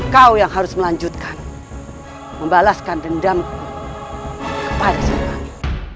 kau yang harus melanjutkan membalaskan dendamku kepada siliwangi